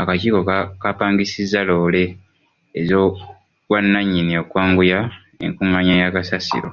Akakiiko kaapangisizza loore ez'obwannannyini okwanguya enkungaanya ya kasasiro.